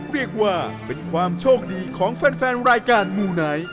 เรียกว่าเป็นความโชคดีของแฟนรายการมูไนท์